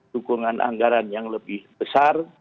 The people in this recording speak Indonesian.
dukungan anggaran yang lebih besar